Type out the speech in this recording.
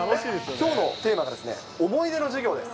きょうのテーマがですね、思い出の授業です。